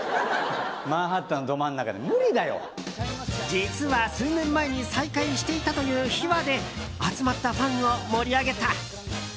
実は、数年前に再会していたという秘話で集まったファンを盛り上げた。